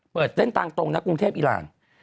เปิดเส้นทางตรงนะกรุงเทพอีราน